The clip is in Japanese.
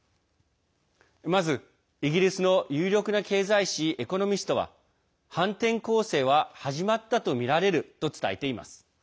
まず、イギリスの有力な経済誌「エコノミスト」は反転攻勢は始まったとみられると伝えています。